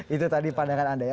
itu tadi pandangan anda ya